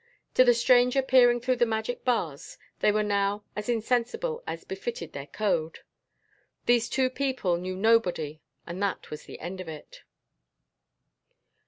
To the stranger peering through the magic bars they were now as insensible as befitted their code. These two people knew nobody and that was the end of it.